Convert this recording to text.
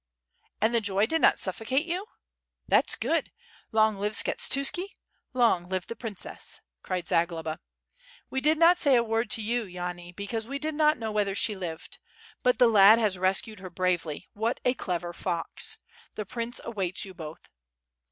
"And the joy did not suffocate you? that's good. Long live Skshetuski! long live the princess!" cried Zagloba. ^TVe did not say a word to you, Yani, because we did not know WITH FIRE AND SWORD, 807 whether she lived. Hut the lad has rescued her bravely; what a clever fox! The prince await? you both.